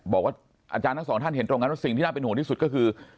บอกว่าอาจารย์ทั้งสองท่านเห็นตรงนั้นว่าสิ่งที่น่าเป็นห่วงที่สุดก็คือ